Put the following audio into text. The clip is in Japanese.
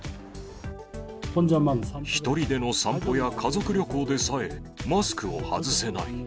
１人での散歩や家族旅行でさえマスクを外せない。